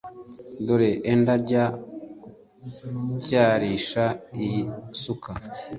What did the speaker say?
dore enda jya gutyarisha iyi suka,